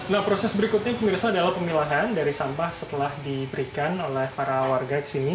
nah proses berikutnya pemirsa adalah pemilahan dari sampah setelah diberikan oleh para warga di sini